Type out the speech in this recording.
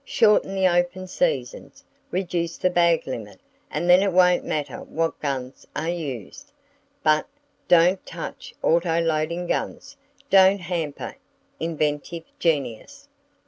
Shorten the open seasons! Reduce the bag limit, and then it won't matter what guns are used! But,—DON'T touch autoloading guns! Don't hamper Inventive Genius!"